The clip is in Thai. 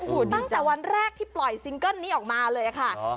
ตั้งแต่วันแรกที่ปล่อยซิงเกิ้ลนี้ออกมาเลยค่ะ